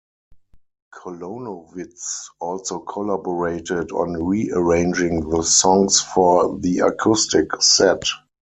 Kolonovits also collaborated on rearranging the songs for the acoustic set.